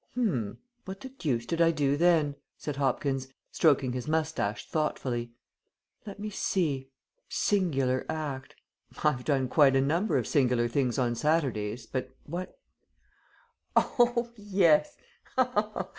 "Hm! what the deuce did I do then?" said Hopkins, stroking his moustache thoughtfully. "Let me see. 'Singular act.' I've done quite a number of singular things on Saturdays, but what Oh, yes! Ha, ha!